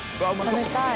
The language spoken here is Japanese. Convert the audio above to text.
食べたい。